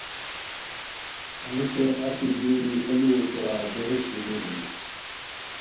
ہنیسے اچی دُوری ہے لُوؤ سورا بحث شروع ہوئے